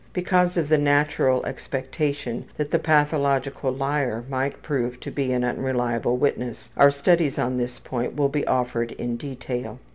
Because of the natural expectation that the pathological liar might prove to be an unreliable witness our studies on this point will be offered in detail.